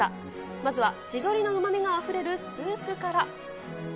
まずは地鶏のうまみがあふれるスープから。